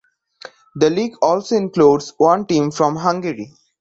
The league also includes one team from Hungary.